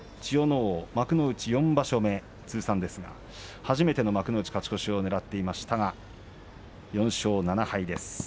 皇は幕内４場所目通算ですが初めての幕内勝ち越しをねらっていましたが４勝７敗です。